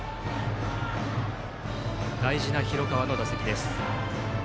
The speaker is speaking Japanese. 大事な広川の打席です。